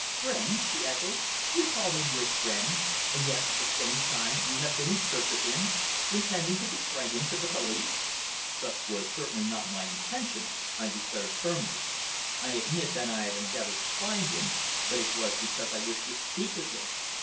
"Friend!" she echoed. "You call him your friend, and yet at the same time you have been in search of him, intending to betray him to the police!" "Such was certainly not my intention," I declared firmly. "I admit that I have endeavoured to find him, but it was because I wished to speak with him."